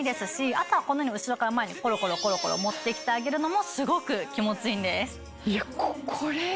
あとはこのように後ろから前にコロコロ持ってきてあげるのもすごく気持ちいいんです。